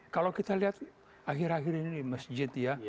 kalau kita lihat akhir akhir ini di masjid ya